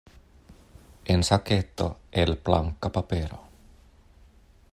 En saketo el blanka papero.